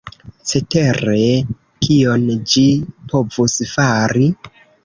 Cetere, kion ĝi povus fari?